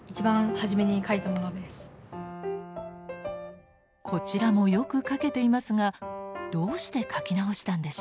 こちらもよく描けていますがどうして描き直したんでしょう？